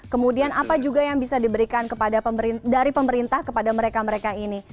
kemudian apa juga yang bisa diberikan dari pemerintah kepada mereka mereka ini